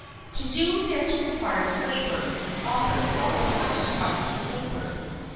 To do this re quires labour, often self sacrificing labour.